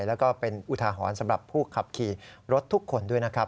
แล้วก็เป็นอุทาหรณ์สำหรับผู้ขับขี่รถทุกคนด้วยนะครับ